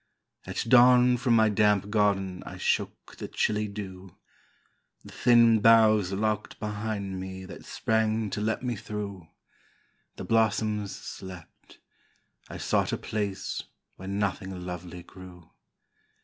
At dawn from my damp garden I shook the chilly dew; The thin boughs locked behind me That sprang to let me through; The blossoms slept, I sought a place Where nothing lovely grew.